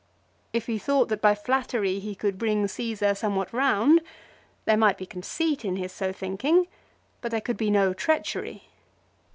If he thought that by flattery he could bring Caesar somewhat round, there might be conceit in his so thinking, but there could be no treachery.